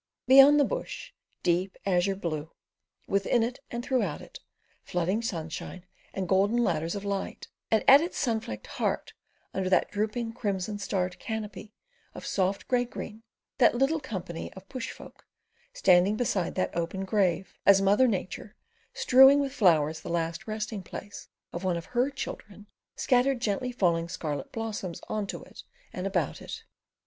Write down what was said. Beyond the bush, deep azure blue, within it and throughout it, flooding sunshine and golden ladders of light; and at its sun flecked heart, under that drooping crimson starred canopy of soft greygreen, that little company of bush folk, standing beside that open grave, as Mother Nature, strewing with flowers the last resting place of one of her children, scattered gently falling scarlet blossoms into it and about it.